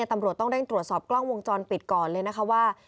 ตำรวจต้องเร่งตรวจสอบกล้องวงจรปิดก่อนเลยนะคะว่า